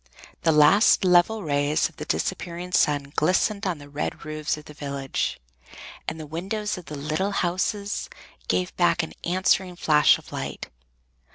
The last level rays of the disappearing sun glistened on the red roofs of the village, and the windows of the little houses gave back an answering flash of light.